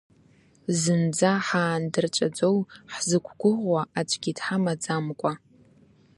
Зынӡа ҳаандырҵәаӡоу, ҳзықәгәыӷуа аӡәгьы дҳамаӡамкәа?